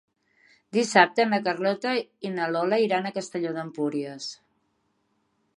Dissabte na Carlota i na Lola iran a Castelló d'Empúries.